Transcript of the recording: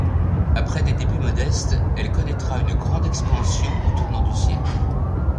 Après des débuts modestes, elle connaîtra une grande expansion au tournant du siècle.